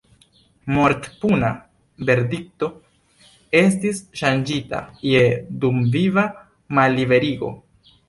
Mortpuna verdikto estis ŝanĝita je dumviva malliberigo.